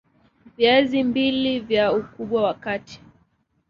Viazi mbili vya ukubwa wa kati